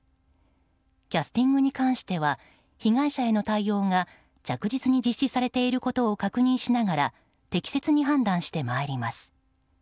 キャスティングに関しては被害者への対応が着実に実施されていることを確認しながら適切に判断してまいります。